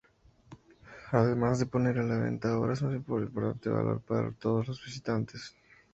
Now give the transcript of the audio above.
Además de poner a la venta obras de importante valor para todos los visitantes.